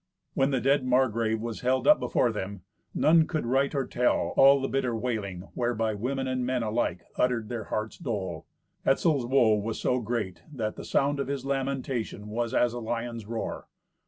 When the dead Margrave was held up before them, none could write or tell all the bitter wailing whereby women and men alike uttered their heart's dole. Etzel's woe was so great that the sound of his lamentation was as a lion's roar.